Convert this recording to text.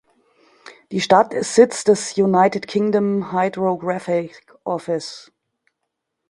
Die Stadt ist Sitz des United Kingdom Hydrographic Office.